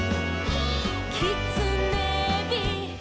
「きつねび」「」